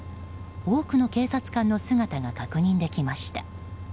多くの警察官の姿が確認できました。